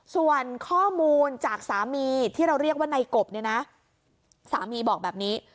ส่วนข้อมูลจากสามีที่เราเรียกว่าในกบเนี่ยนะสามีบอกแบบนี้